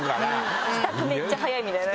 帰宅めっちゃ早いみたいな。